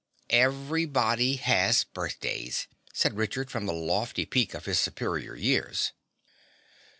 "Everybody has birthdays," said Richard from the lofty peak of his superior years.